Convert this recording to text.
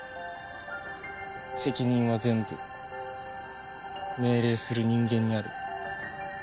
責任は全部命令する人間にある。